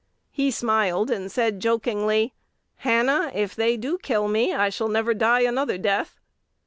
He smiled, and said jokingly, 'Hannah, if they do kill me, I shall never die another death.'